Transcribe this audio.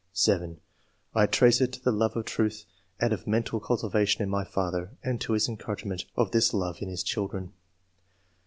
(7) I trace it to the love of truth and of mental cultivation in my father, and to his encouragement of this love in his children.